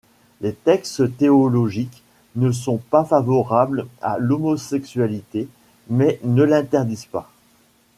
Les textes théologiques ne sont pas favorables à l'homosexualité, mais ne l'interdisent pas.